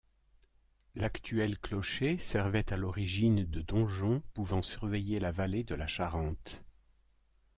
L'actuel clocher servait à l'origine de donjon pouvant surveiller la vallée de la Charente.